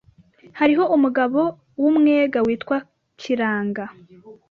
Hariho umugabo w’umwega witwa Kiranga